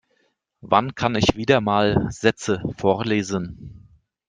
Wann kann ich wieder mal Sätze vorlesen?